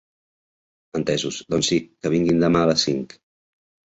Entesos, doncs sí, que vinguin demà a les cinc.